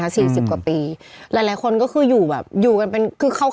ทำงานครบ๒๐ปีได้เงินชดเฉยเลิกจ้างไม่น้อยกว่า๔๐๐วัน